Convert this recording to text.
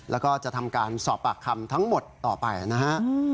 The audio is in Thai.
แล้วก็จะทำการสอบปากคำทั้งหมดต่อไปนะฮะ